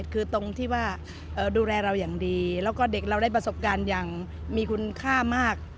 คือตรงที่ว่าดูแลเราอย่างดีแล้วก็เด็กเราได้ประสบการณ์อย่างมีคุณค่ามาก